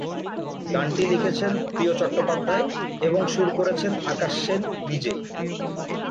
গানটি লিখেছেন প্রিয় চট্টোপাধ্যায় এবং সুর করেছেন আকাশ সেন নিজে।